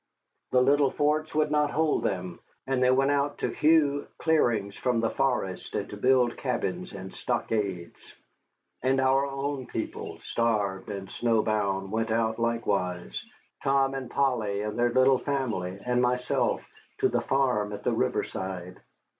The little forts would not hold them; and they went out to hew clearings from the forest, and to build cabins and stockades. And our own people, starved and snowbound, went out likewise, Tom and Polly Ann and their little family and myself to the farm at the river side.